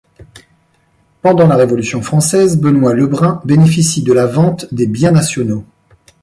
Pendant la Révolution française, Benoît Lebrun bénéficie de la vente des biens nationaux.